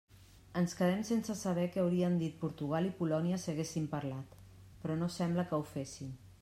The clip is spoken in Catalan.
Ens quedem sense saber què haurien dit Portugal i Polònia si haguessin parlat, però no sembla que ho fessin.